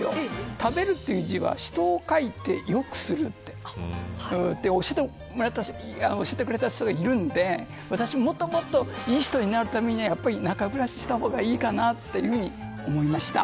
食べるという字は人を書いて良くすると教えてくれた人がいるのでもっともっといい人になるには田舎暮らしをした方がいいのかなと思いました。